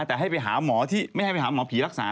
แต่ให้ไปหาหมอที่ไม่ให้ไปหาหมอผีรักษา